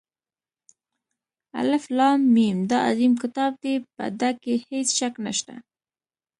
الف لام ، میم دا عظیم كتاب دى، په ده كې هېڅ شك نشته.